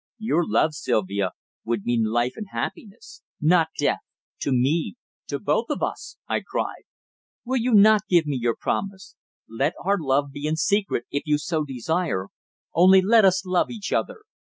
"Your love, Sylvia, would mean life and happiness, not death to me to both of us!" I cried. "Will you not give me your promise? Let our love be in secret, if you so desire only let us love each other.